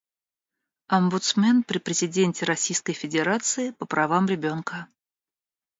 Омбудсмен при президенте Российской Федерации по правам ребёнка.